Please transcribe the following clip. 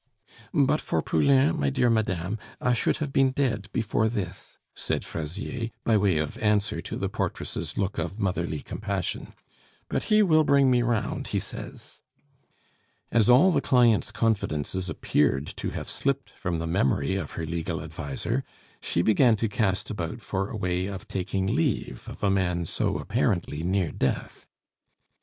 "But for Poulain, my dear madame, I should have been dead before this," said Fraisier, by way of answer to the portress' look of motherly compassion; "but he will bring me round, he says " As all the client's confidences appeared to have slipped from the memory of her legal adviser, she began to cast about for a way of taking leave of a man so apparently near death.